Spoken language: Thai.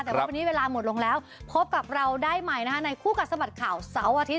แต่ว่าวันนี้เวลาหมดลงแล้วพบกับเราได้ใหม่นะคะในคู่กัดสะบัดข่าวเสาร์อาทิตย